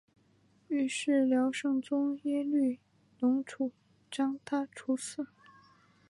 于是辽圣宗耶律隆绪将他处死。